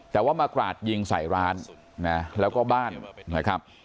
แต่ว่ามากราดยิงใส่ร้านนะแล้วก็บ้านนะครับ